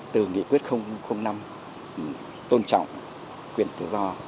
từ nghị quyết năm tôn trọng quyền tự do